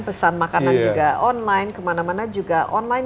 pesan makanan juga online kemana mana juga online